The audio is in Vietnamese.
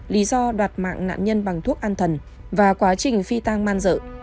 lý do đoạt mạng nạn nhân bằng thuốc an thần và quá trình phi tang man dợ